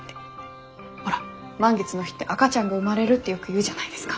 ほら満月の日って赤ちゃんが生まれるってよく言うじゃないですか。